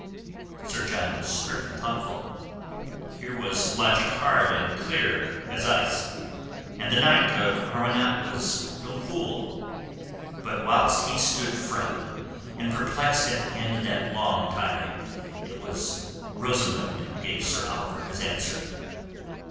Sir John was stricken thoughtful. Here was logic hard and clear as ice; and the knight of Arwenack was no fool. But whilst he stood frowning and perplexed at the end of that long tirade, it was Rosamund who gave Sir Oliver his answer.